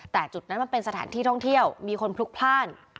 แต่จุดนั้นมันเป็นสถานที่ท่องเที่ยวมีคนพลุกพลาด